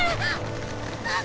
あっ。